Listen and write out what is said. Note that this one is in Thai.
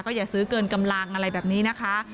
อย่าซื้อเกินกำลังอะไรแบบนี้นะคะ